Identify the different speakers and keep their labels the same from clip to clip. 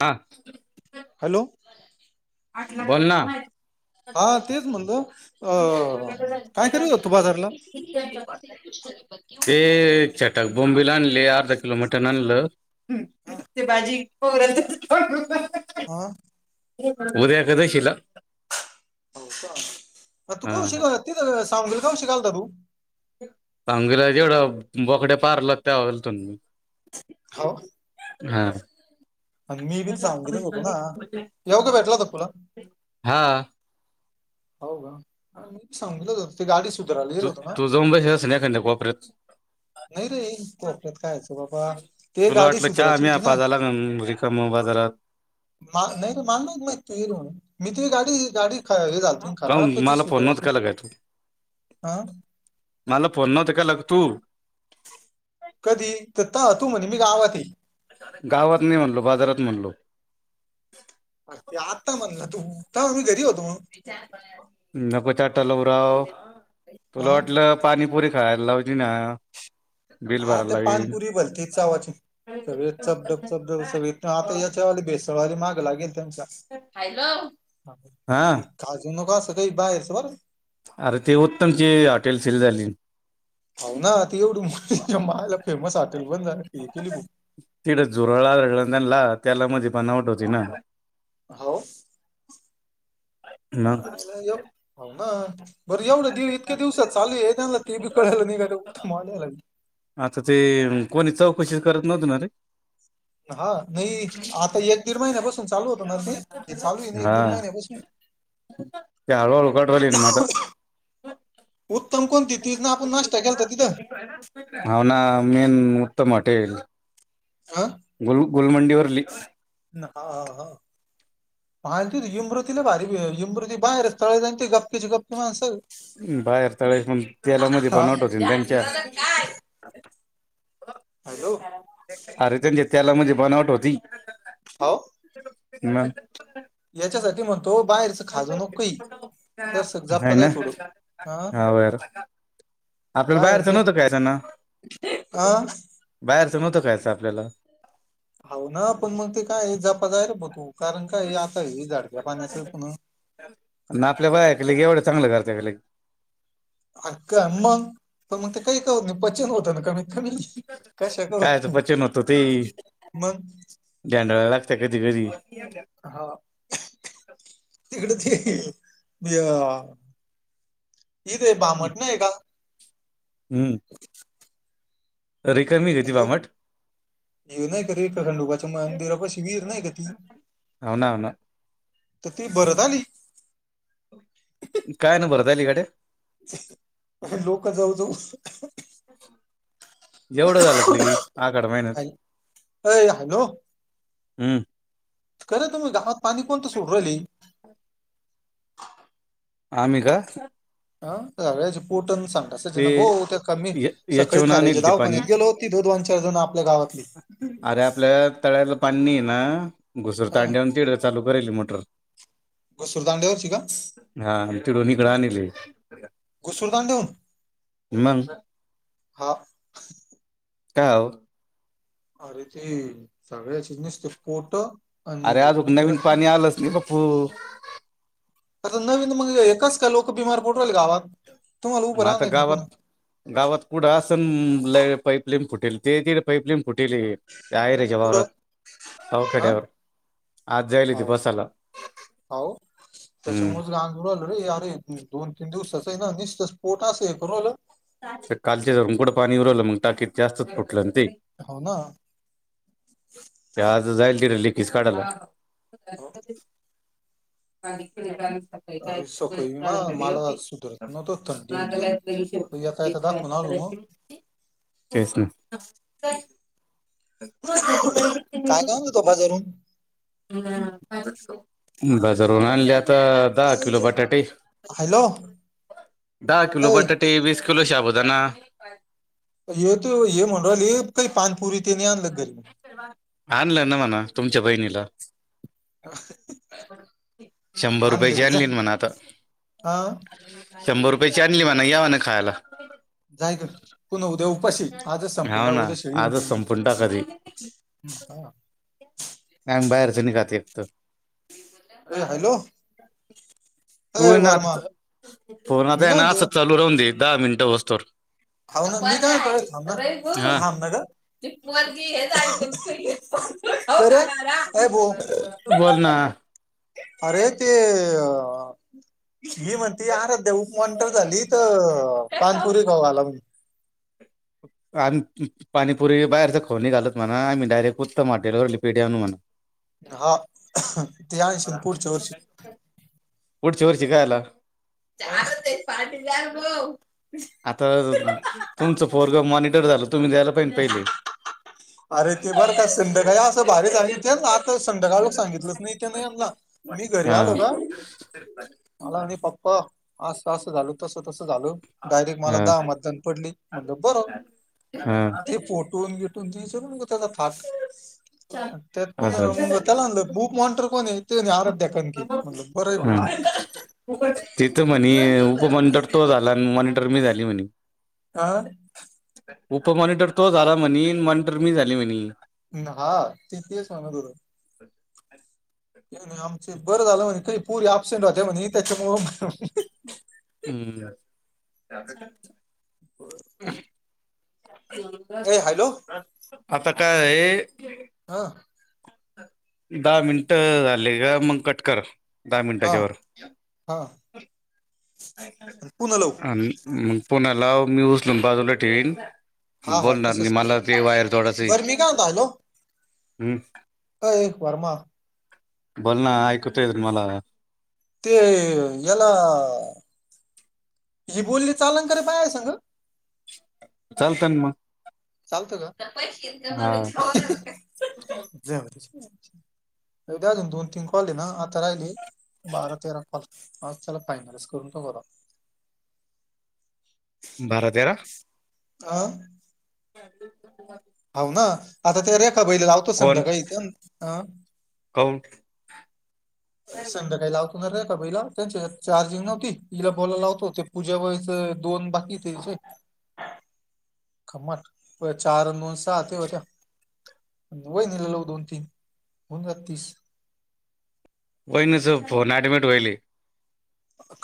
Speaker 1: ''हां''
Speaker 2: हॅलो,
Speaker 1: बोल ना.
Speaker 2: म्हणत अ काय करू हो तू बाजारला.
Speaker 1: एक चटक बोम्बीला आणले अर्धा किलो मटन आणलं हम्म, तेल भाजी. हो [inaudible]
Speaker 2: हा,
Speaker 1: हे बाबा उद्या कदशीला.
Speaker 2: [inaudible] आर तू
Speaker 1: हा
Speaker 2: कवाशी तिथं सामग्री काय शिकाल घालताय बघू.
Speaker 1: सांगला जेवढं बकड्या पारल त्यावरल तून.
Speaker 2: हो
Speaker 1: हा,
Speaker 2: आणि मी बी सांगितच होतो ना या अगोदर भेटला का तुला.
Speaker 1: हा,
Speaker 2: हो का मी सांगितलं तर ते गाडी सुधारायला गेलं होत ना.
Speaker 1: [unintelligible] तोब स्नेपर
Speaker 2: नाही रे कोपऱ्यात काय आहे बाबा ते
Speaker 1: तुला
Speaker 2: गाडी
Speaker 1: वाटलं चहा
Speaker 2: सुधारायची होती ना
Speaker 1: आ्हीजाला रिकाम बाजारात.
Speaker 2: मला नाही मान मा म्हणत [inaudible] मी तरी गाडी गाडी ख हे झालती
Speaker 1: काऊन
Speaker 2: खराब तर ती
Speaker 1: मला
Speaker 2: दुरुस्त
Speaker 1: फोन
Speaker 2: करयाची
Speaker 1: नव्हता
Speaker 2: होती,
Speaker 1: केला काय तू
Speaker 2: आ,
Speaker 1: मला फोन नव्हता केला का तु,
Speaker 2: कधी तर ता तु म्हणे मी गावात हे.
Speaker 1: गावात नाही म्हणलो, बाजारात म्हणलो
Speaker 2: हे आता म्हणलं तू तव्हा मी घरी होतो मग
Speaker 1: नको चाटा लाऊ राव
Speaker 2: हा
Speaker 1: तुला वाटलं पाणीपुरी खायला लावजी ना बिल
Speaker 2: हा
Speaker 1: भरायला
Speaker 2: ते
Speaker 1: लावीन
Speaker 2: पाणीपुरी भलती चवाची सगळे चब डब चब ढप सगळे आता याच्यावाली बेस्ट [unintelligible] माग लागेल त्यांचा, हॅलो
Speaker 1: हा
Speaker 2: [unintelligible] असं काही बाहेर च बरं
Speaker 1: अरे ते उत्तमची हॉटेल सील झाली.
Speaker 2: हाव ना, ती एवढी चा मायला फेमस हॉटेल बंद झाली [unintelligible]
Speaker 1: तिथं झुरळ आढळल त्यांना, तेलामध्ये बनावट होती ना
Speaker 2: हाव.
Speaker 1: मग
Speaker 2: मायला यो हाव ना बरं एवढ देव इतक्या दिवसात चालू [unintelligible] ते बी कळलं नाही त्यांना [unintelligible]
Speaker 1: आता ते कोणी चौकशीच करत नव्हत ना ते
Speaker 2: हा नाही आता एक दीड महिन्यापासून चालू होत ना ते ते चालू आहे नाही एक दीड महिन्यापासून [unintelligible]
Speaker 1: त्या हळु हळु काढू [unintelligible] मग आता
Speaker 2: उत्तम कोणती तेच ना आपण नाश्ता केलता तिथं
Speaker 1: हाव ना मेन उत्तम हॉटेल
Speaker 2: अह.
Speaker 1: गुल गुलमंडीवरली
Speaker 2: हा, हा मा त इमृतीला भारी इमृती बाहेर तळे जाय त ते गप्पेची गप्पी मास
Speaker 1: बाहेर तळे पण तेलामध्ये
Speaker 2: हा,
Speaker 1: बनावट होती ना त्यांच्या
Speaker 2: [unintelligible] काय हॅलो!
Speaker 1: अरे, त्यांच्या तेला मध्ये बनावट होती.
Speaker 2: हाव.
Speaker 1: [inaudible]
Speaker 2: याच्यासाठी म्हणतो बाहेरच खाजवू नको काही जरासं
Speaker 1: हाय
Speaker 2: जपत
Speaker 1: ना
Speaker 2: जाय थोडं, हा.
Speaker 1: हाव यार आपल्याला
Speaker 2: बाहेर
Speaker 1: बाहेरचं
Speaker 2: घ्या,
Speaker 1: नव्हतं खायचं ना
Speaker 2: आ.
Speaker 1: बाहेरचं नव्हतं खायचं आपल्याला
Speaker 2: हाव ना पण मग ते काय जपा जाय बा तू कारण काय आता हे झाड काय पाण्याच पुन
Speaker 1: ना आपल्या बाया लई एवढ्या चांगल्या करत्या की लई
Speaker 2: हाका मग पण मग ते काही करत नाही पचन होत ना कमी कशा
Speaker 1: खायचं
Speaker 2: करू,
Speaker 1: पचन
Speaker 2: मग
Speaker 1: [unintelligible] लागत कधी कधी
Speaker 2: हा तिकडे ते, या इथे भामट नाहीय का?
Speaker 1: हम्म. रिकामी घेती
Speaker 2: हॅलो,
Speaker 1: भामट
Speaker 2: हे नाही का रेणुका खंडोबाच्या मंदिरापाशी विहीर नाही का ती
Speaker 1: हाव ना, ना
Speaker 2: तर ती भरत आली
Speaker 1: काय ना, भरत आली गड्या
Speaker 2: लोक जाऊ, जाऊ
Speaker 1: एवढं झालं की आखाड महिन्यात,
Speaker 2: हॅल- अय हॅलो
Speaker 1: हम्म
Speaker 2: खरं तुम्ही गावात पाणी कोण तर सोडु राहिले
Speaker 1: आम्ही का
Speaker 2: आ [inaudible] सांग असं जण
Speaker 1: ते
Speaker 2: भो त्या कमी
Speaker 1: य-
Speaker 2: सकाळी
Speaker 1: याच्याहून
Speaker 2: खाऱ्याया
Speaker 1: आणेल ते पाणी
Speaker 2: दावाखान्यात गेलो होती दो दोन चार जण आपल्या गावातली हम्म
Speaker 1: अरे आपल्या तळ्याला पाणी नाही ना घुसर
Speaker 2: हा
Speaker 1: तांड्यान तिड चालू करेल मोटर
Speaker 2: घुसूर दांड्यावरची का
Speaker 1: हा तिकडून इकडं आणिले.
Speaker 2: घुसुर दांड्यावुन
Speaker 1: मग
Speaker 2: हा
Speaker 1: काय आहो
Speaker 2: अरे ते सगळ्याची नीसती पोट आणि
Speaker 1: अरे
Speaker 2: हे
Speaker 1: अजुक
Speaker 2: दुखू
Speaker 1: नवीन
Speaker 2: राहील ना
Speaker 1: पाणी आलंच नाही बाप्पू
Speaker 2: आता नवीन मग हे कसं काय लोक बिमार पडू राहिली गावात तुम्हाला उभं
Speaker 1: म
Speaker 2: राहणार
Speaker 1: आता
Speaker 2: नाहीत नाही पुन्हा
Speaker 1: गावात गावात कुंड असणं लई पाईपलाईन फुटेल ते तिकड पाईपलाईन फुटेलेय काय रे जवारा सावखडेया
Speaker 2: आवो आवो
Speaker 1: हम्म
Speaker 2: त्याच्यामुळेच ग रे अरे दोन तीन दिवसाच आहे ना निसतच पोट अस हे करू राहिल.
Speaker 1: ते कालच्या कुड पाणी येऊं राहिलं मग टाकीत जास्तच फुटलं ते
Speaker 2: हो ना
Speaker 1: ते आज जाईल तिकडं लिकेज काढाल्यात ह
Speaker 2: अरे सकाळी
Speaker 1: [unintelligible]
Speaker 2: ना मला
Speaker 1: चा
Speaker 2: सुधरत नव्हतं थंडीन ते
Speaker 1: ओे
Speaker 2: एका
Speaker 1: आता
Speaker 2: येता दाखवून आलो मग
Speaker 1: श करायची [inaudible] तेच ना
Speaker 2: काय काय आणलं तो बाजारून
Speaker 1: हम्म काम बाजारून आणल्या आता दहा
Speaker 2: काय
Speaker 1: किलो बटाटे
Speaker 2: विचार हॅलो
Speaker 1: दहा किलो
Speaker 2: ऐ
Speaker 1: बटाटे वीस किलो साबुदाणा [unintelligible]
Speaker 2: हे ते हे म्हणु राहीली काही पानपुरी तेनी आणलं घरी
Speaker 1: आणलं ना म्हणा तुमच्या बहिणीला शंभर रुपये
Speaker 2: आणलं
Speaker 1: चे
Speaker 2: की जाय
Speaker 1: आणलेंन म्हणा आता
Speaker 2: हा
Speaker 1: शंभर रुपय चे आणले म्हणा या म्हणा खायला
Speaker 2: जाय गं पुन्हा उद्या उपाशी आजच संपून
Speaker 1: हाव
Speaker 2: टाक
Speaker 1: ना
Speaker 2: उद्या शिळी होऊन
Speaker 1: आजच
Speaker 2: जाईन ती
Speaker 1: संपून टाका ती
Speaker 2: हम हा
Speaker 1: अन् बाहेरच नि खाते एक तर
Speaker 2: अ हॅलो
Speaker 1: तू
Speaker 2: ए
Speaker 1: आहे ना
Speaker 2: वर्मा
Speaker 1: आता फोन आता
Speaker 2: मी
Speaker 1: आहे
Speaker 2: काय
Speaker 1: ना
Speaker 2: म्हणतो
Speaker 1: असंच चालू राहून देेत दहा मिनटं होसतर
Speaker 2: ह्यावं ना मी काय कळ थांब ना
Speaker 1: हा
Speaker 2: थांब ना गं ती पोरगी हे जलती
Speaker 1: बोल ना
Speaker 2: अरे ते अ [inaudible] ही म्हणते आराध्य्या ऊ मॉनिटर झाली तर, पानपुरीे खाऊ घाला म्हणे.
Speaker 1: अन् तुई पाणीपुरी बाहेरच खाऊ नाही घालत म्हणा, आम्ही डायरेक्ट उत्तम हॉटेल वरले पेढे आणू म्हणा.
Speaker 2: हा. ते आनशील पुढच्या वर्षी
Speaker 1: पुढच्या वर्षी कयाला
Speaker 2: आता तर त्यांची पार्टी द्या भो
Speaker 1: आता, तुमचं पोरग मॉनिटर झालं, तुम्ही द्यायला पाहिजे पहिले
Speaker 2: अरे ते बरं का, सिंंधकाळी असं भारीच सांगितल तेच ना आता संध्याकाळ लोक सांगितलंच नाही त्याने यानला, मी घरी आलो
Speaker 1: हा
Speaker 2: का मला म्हणे पप्पा असं तसं झाल, तसं तसं झाल. डायरेक्ट मला दहा
Speaker 1: हा
Speaker 2: मतदान पडलेत. म्हणतं बरं
Speaker 1: हा
Speaker 2: ते फोटुन बिटुन तू विचारू नको त्याचा फायदा. त्यात पण
Speaker 1: असं
Speaker 2: मग त्याला म्हणलं बुक मॉंनिटर कोणये? ते आराध्या कणकी, म्हणलं बर आहे भाऊ.
Speaker 1: ते तर म्हणे उपमॉनिटर तो झाला, आणि मॉनिटर मी झाली म्हणे.
Speaker 2: आ
Speaker 1: उपमॉनिटर तो झाला म्हणे, मॉनिटर मी झाली म्हणे.
Speaker 2: हा. ते तेच म्हणत होतो. नाही आमचे, बरं झालं म्हणे काही पोरी अऍबसेंट राहता म्हणे, त्याच्यामुळं
Speaker 1: [unintelligible]
Speaker 2: ए हॅलो
Speaker 1: आता काय आहे?
Speaker 2: हा.
Speaker 1: दहा मिनिट झाले का, मग कट कर. दहा मिनिटाच्या
Speaker 2: हा
Speaker 1: वर
Speaker 2: हा. पुन्हा लावू
Speaker 1: [inaudible] अ मग पुन्हा लाव, मी उचलून बाजूला ठेविन.
Speaker 2: हा हा
Speaker 1: बोलणार नाही.
Speaker 2: तसंच
Speaker 1: मला ते वायर तोडायचं
Speaker 2: करू बरं मी
Speaker 1: आहे.
Speaker 2: काय म्हणतो हॅलो
Speaker 1: [inaudible] हम्म.
Speaker 2: अय वर्मा
Speaker 1: बोल ना, ऐकु येतय मला.
Speaker 2: ते याला, [inaudible] ही बोलली चालन कारे बायांन संग.
Speaker 1: चालतं ना मग.
Speaker 2: चालत का? [inaudible]
Speaker 1: हा
Speaker 2: जाउ दे. [inaudible] अजून दोन, तीन कॉल आहे ना, आता राहिले बारा तेरा कॉल. आज त्याला फायनलच करतो बरा
Speaker 1: बारा तेरा
Speaker 2: आ
Speaker 1: हं [unintelligible]
Speaker 2: हाव ना. आता ते रेखा बाईला लावतो संधाकाळी एक दोन
Speaker 1: काउन
Speaker 2: संध्याकाळी लावतो रेखा बाईला त्यांच्या चार्जिंग नव्हती, हिला बोलायला लावतो. ते पूजा बाईचं दोन बाकी त्यांचे. [inaudible] गंमत व्हंय चार, अन दोन सहा दहा ते होत्यात. [inaudible] वहिनीला लावून दोन, तीन [inaudible] होऊन जातात तीस.
Speaker 1: वहिनीचा फोन ऍडमिट व्हायला.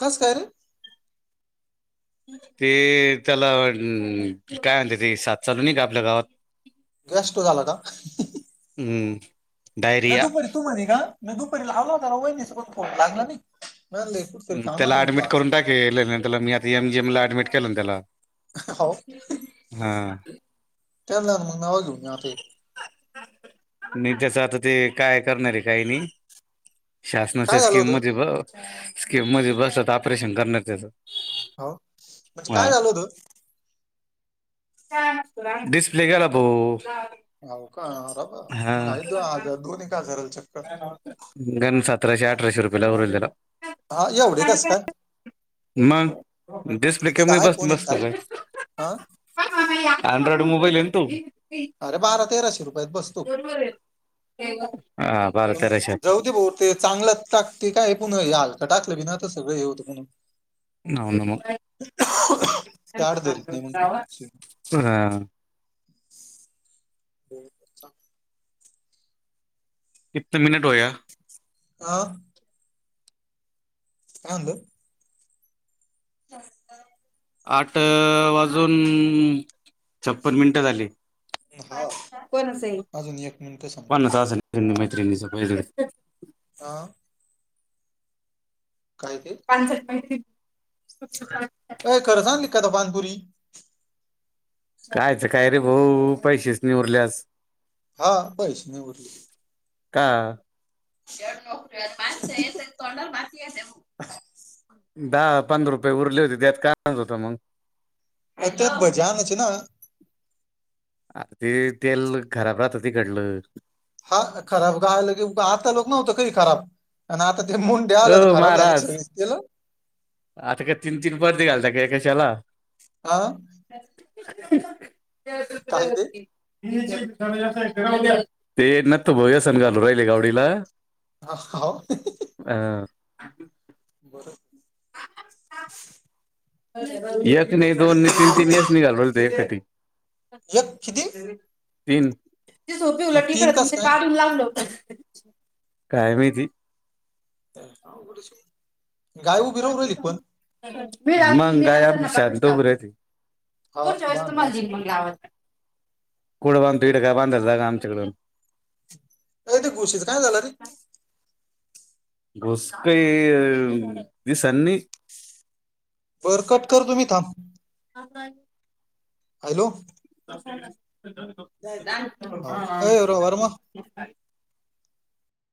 Speaker 2: कस काय रे!
Speaker 1: ते त्याला काय म्हते ते साथ चालू नाही का आपल्या गावात
Speaker 2: गॅस्ट्रो झाल का?
Speaker 1: हम्
Speaker 2: मग दुपारी तू म्हणे का. मी दुपारी लावला होता ना वहिणीसनी फोन लागला नाही म्ह
Speaker 1: त्याला ऍडमिट करून टाके त्याला, मी आता एमजीएम ला ऍडमिट केलं ना त्याला
Speaker 2: हो
Speaker 1: हा
Speaker 2: त्या मग नावा घेऊन आता
Speaker 1: नाही त्याच आता ते काय करणार आहे काही नाही. शासनाच्या
Speaker 2: काय झालं
Speaker 1: स्कीम
Speaker 2: होतं
Speaker 1: मध्ये बग स्कीम मध्ये बसत ऑपरेशन करण्यार त्याच.
Speaker 2: हो म्हणजे काय
Speaker 1: हा
Speaker 2: झाल होत.
Speaker 1: [unintelligible] डिस्प्ले गेला तो
Speaker 2: हो का रबा मग द आजार दोन एक आजाराल चक्क
Speaker 1: सतराशे, अठराशे रुपये लागू राहिले त्याला
Speaker 2: हा एवढे कस काय?
Speaker 1: मग डिस्प्ले
Speaker 2: ते
Speaker 1: कमी
Speaker 2: काय
Speaker 1: मधी
Speaker 2: फोन एक
Speaker 1: बसतो काय?
Speaker 2: हा
Speaker 1: अँड्रॉइड मोबाईल आहे ना तो.
Speaker 2: अरे बारा तेराशे रुपयात बसतो
Speaker 1: हा. बारा
Speaker 2: पण मग
Speaker 1: तेराशे
Speaker 2: जाऊ
Speaker 1: हो
Speaker 2: दे भाऊ ते चांगलंच टाक ते काय पुन्हा हलकां टाकलं बी ना तर सगळं हे होतं म्हणून ते
Speaker 1: हो
Speaker 2: आड धरीत नाही मग
Speaker 1: [unintelligible]
Speaker 2: ते
Speaker 1: इतना मिनट होया.
Speaker 2: हो. काय म्हणले? [inaudible]
Speaker 1: आठ वाजून छप्पन मिनिट झाली.
Speaker 2: हा
Speaker 1: कोणाच आहे
Speaker 2: अजून एक मिनिट समजा
Speaker 1: [unintelligible] [unintelligible]
Speaker 2: हा. काय ते?
Speaker 1: [unintelligible]
Speaker 2: अय खरंच सांग आणली काय तू पाणीपुरी
Speaker 1: कायचं काय रे भाऊ पैसेच नाही उरले आज
Speaker 2: हा पैसे नाही उरले!
Speaker 1: का.
Speaker 2: [unintelligible]
Speaker 1: दहा, पंधरा रुपये उरले होते त्यात काय आणायचं होत मग.
Speaker 2: त्याच्यात भजे आणायचे ना?
Speaker 1: अ ते तेल खराब राहतं तिकडलं.
Speaker 2: हा खराब काय लगे आता लोक नव्हत काही खराब. आणि आता ते मुंडे आलं तर
Speaker 1: ओ
Speaker 2: खराब झालं का
Speaker 1: महाराज
Speaker 2: सगळे तेल
Speaker 1: आता काय तीन, तीन परर्द घालता का कशाला.
Speaker 2: हा
Speaker 1: त्या तिकडे
Speaker 2: काय ते
Speaker 1: होती. ते नत्थू भाऊ यसन घालू राहिले गावडीला.
Speaker 2: हा ओ
Speaker 1: अं, एक नाही दोन नाही तीन, तीन यसनी घालू राहिले एक खट्टी.
Speaker 2: एक किती?
Speaker 1: तीन, ती सोपी उलट,
Speaker 2: तीन
Speaker 1: कळत नाय
Speaker 2: कस
Speaker 1: ते
Speaker 2: काय
Speaker 1: काढून लावलं होत. काय माहिती
Speaker 2: अवघडच हे, गाय उभी राहु राहिली क पण?
Speaker 1: हं लावते, मंग गाई आपली शांत उभी राहयती.
Speaker 2: हा
Speaker 1: पुढच्या वेळेस
Speaker 2: बांधला
Speaker 1: तुम्हाला
Speaker 2: असं
Speaker 1: दिईन मंग लावायला, कुठं बांधतो इड गाई बांधायला जागा आमच्या कडं.
Speaker 2: अय तेे घुशीच काय झालं रे?
Speaker 1: घूस काही अ दिसेना नयी
Speaker 2: बर कट करतो मी थांब.
Speaker 1: आता
Speaker 2: हॅलो दादा हो ए रो वर्मा
Speaker 1: [unintelligible]